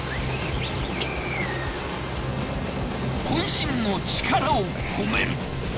渾身の力を込める。